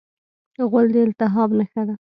غول د التهاب نښه ده.